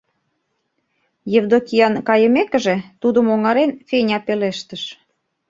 — Евдокиян кайымекыже, тудым оҥарен Феня пелештыш.